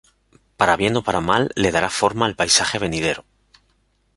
Para bien o para mal, le dará forma al paisaje venidero.